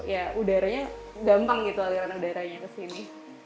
ya udaranya gampang gitu aliran udaranya ke sini